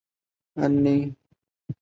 帕科蒂是巴西塞阿拉州的一个市镇。